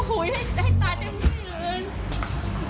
ให้ตายเต็มที่อื่น